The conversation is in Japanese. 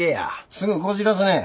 すぐこじらすねん。